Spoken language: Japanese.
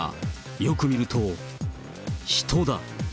よく見ると、人だ。